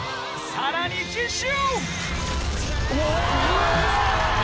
さらに次週！